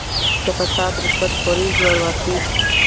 د «فساد، رشوت خورۍ، زورواکۍ